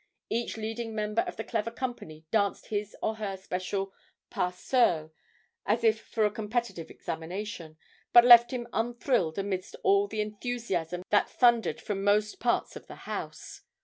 Each leading member of the clever company danced his or her special pas seul as if for a competitive examination, but left him unthrilled amidst all the enthusiasm that thundered from most parts of the house.